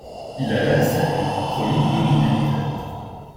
Il alla les saluer, promit de donner des nouvelles.